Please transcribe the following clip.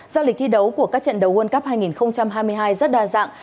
do lịch thi đấu của các trận đấu world cup hai nghìn hai mươi hai rất đa dạng